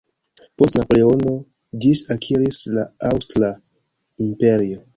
Post Napoleono, ĝin akiris la Aŭstra imperio.